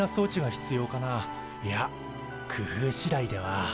いやくふうしだいでは。